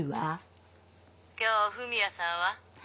☎今日文也さんは？